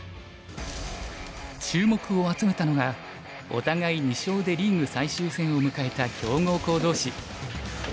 注目を集めたのがお互い２勝でリーグ最終戦を迎えた強豪校同士。